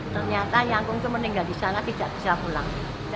ternyata nyangkong itu meninggal di sana tidak pulang